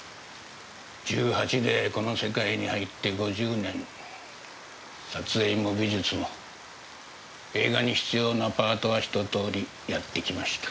１８でこの世界に入って５０年撮影も美術も映画に必要なパートはひと通りやってきました。